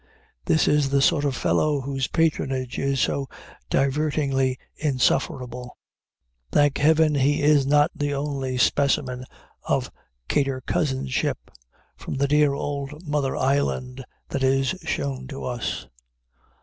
This is the sort of fellow whose patronage is so divertingly insufferable. Thank Heaven he is not the only specimen of cater cousinship from the dear old Mother Island that is shown to us!